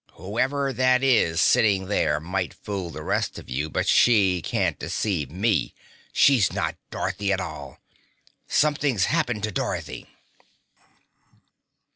"Whoever that is sitting there might fool the rest of you, but she can't deceive me. She's not Dorothy at all. Something's happened to Dorothy!"